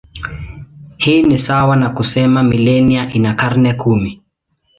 Hii ni sawa na kusema milenia ina karne kumi.